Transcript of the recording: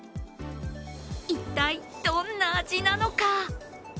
一体どんな味なのか。